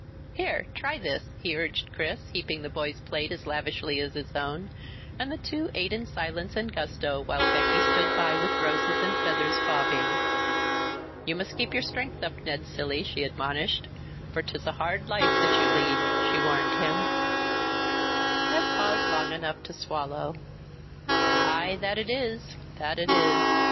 "Here try this," he urged Chris, heaping the boy's plate as lavishly as his own, and the two ate in silence and gusto while Becky stood by with roses and feathers bobbing. "You must keep your strength up, Ned Cilley," she admonished, "for 'tis a hard life that you lead," she warned him. Ned paused long enough to swallow. "Aye, that it is, that it is!"